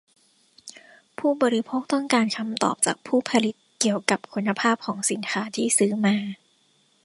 ผู้บริโภคต้องการคำตอบจากผู้ผลิตเกี่ยวกับคุณภาพของสินค้าที่ซื้อมา